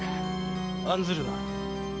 案ずるな。